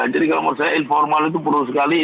jadi kalau menurut saya informal itu perlu sekali